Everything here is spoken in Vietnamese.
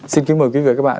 xin kính mời quý vị và các bạn